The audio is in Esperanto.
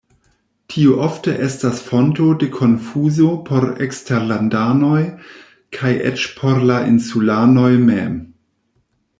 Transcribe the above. Tiu ofte estas fonto de konfuzo por eksterlandanoj, kaj eĉ por la insulanoj mem.